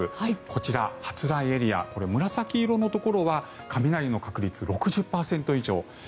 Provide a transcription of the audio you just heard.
こちら、発雷エリア紫色のところは雷の確率が６０％以上。